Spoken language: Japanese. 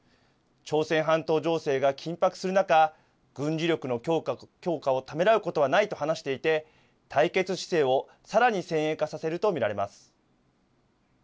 朝鮮半島情勢が緊迫する中、軍事力の強化をためらうことはないと話していて対決姿勢をさらに先鋭化させると見られます。